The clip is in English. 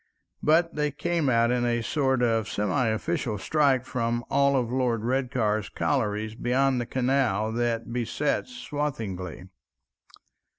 But they came out in a sort of semiofficial strike from all Lord Redcar's collieries beyond the canal that besets Swathinglea.